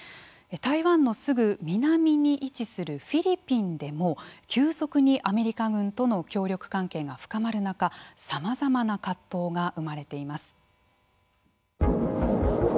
台湾のすぐ南に位置するフィリピンでも急速にアメリカ軍との協力関係が深まる中さまざまな葛藤が生まれています。